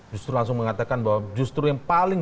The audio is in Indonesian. justru langsung mengatakan bahwa justru yang paling